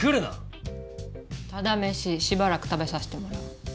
タダ飯しばらく食べさせてもらう。